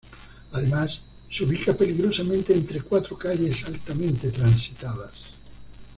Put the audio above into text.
Además se ubica peligrosamente entre cuatro calles altamente transitadas.